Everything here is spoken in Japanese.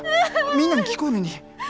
みんなに聞こえるにい。